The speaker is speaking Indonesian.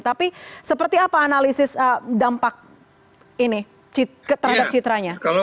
tapi seperti apa analisis dampak ini terhadap citranya